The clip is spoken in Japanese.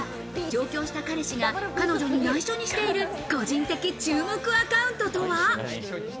上京した彼氏が彼女に内緒にしている個人的注目アカウントとは？